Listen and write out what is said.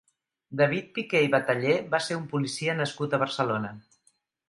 David Piqué i Batallé va ser un policia nascut a Barcelona.